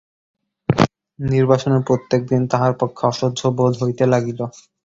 নির্বাসনের প্রত্যেক দিন তাঁহার পক্ষে অসহ্য বোধ হইতে লাগিল।